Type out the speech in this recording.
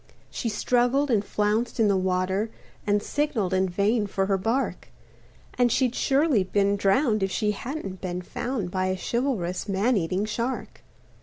She struggled and flounced in the water And signaled in vain for her bark, And she'd surely been drowned if she hadn't been found By a chivalrous man eating shark.